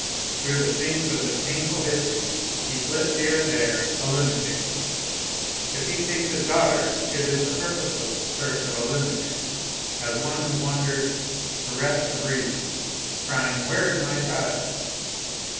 Through the scenes of this painful history he flits here and there a lunatic! If he seeks his daughter, it is the purposeless search of a lunatic, as one who wanders bereft of reason, crying where is my child?